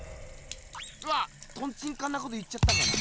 わっトンチンカンなこと言っちゃったかな。